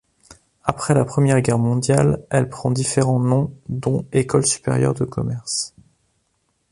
Après la Première Guerre mondiale, elle prend différents noms dont École supérieure de commerce.